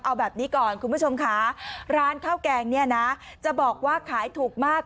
เอาแบบนี้ก่อนคุณผู้ชมค่ะร้านข้าวแกงเนี่ยนะจะบอกว่าขายถูกมาก